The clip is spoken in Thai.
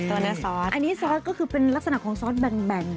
อันนี้ซอสคือเป็นลักษณะของซอสแบง